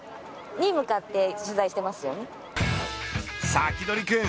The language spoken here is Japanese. サキドリくん